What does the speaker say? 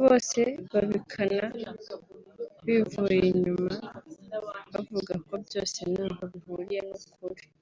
bose babikana bivuye inyuma bavuga ko byose ntaho bihuriye n’ukuri